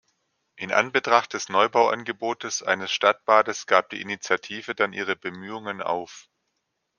In Anbetracht des Neubau-Angebotes eines Stadtbades gab die Initiative dann ihre Bemühungen auf.